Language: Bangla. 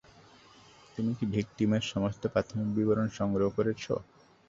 তুমি কি ভিকটিমের সমস্ত প্রাথমিক বিবরণ সংগ্রহ করেছ?